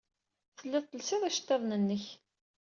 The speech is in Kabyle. Tellid telsid iceḍḍiḍen-nnek.